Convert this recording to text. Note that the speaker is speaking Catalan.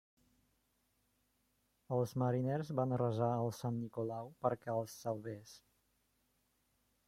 Els mariners van resar a Sant Nicolau perquè els salvés.